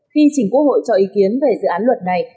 khi chỉnh quốc hội cho ý kiến về dự án luật này